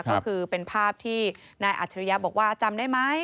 ก็คือเป็นภาพที่นายอัจฉริยะบอกว่าจำได้ไหม